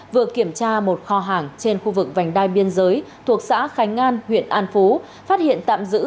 vừa kiểm tra một kho hàng trên khu vực vành đai biên giới thuộc xã khánh an huyện an phú